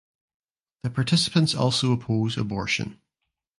The participants also oppose abortion.